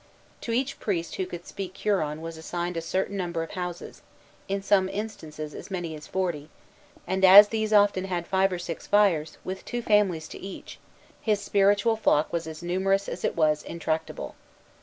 To each priest who could speak Huron was assigned a certain number of houses, in some instances, as many as forty; and as these often had five or six fires, with two families to each, his spiritual flock was as numerous as it was intractable.